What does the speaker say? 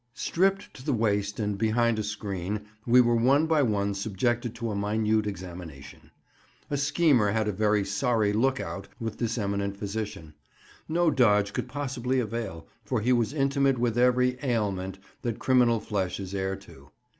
Stripped to the waist and behind a screen, we were one by one subjected to a minute examination. A schemer had a very sorry look out with this eminent physician; no dodge could possibly avail, for he was intimate with every "ailment" that criminal flesh is heir to.